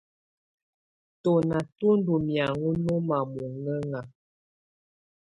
Tɔ́ná tú ndɔ́ mɛ̀áŋɔ́ nɔ́ma mɔŋɛ́ŋa.